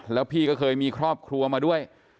แล้วพี่ก็เคยมีครอบครัวมาด้วย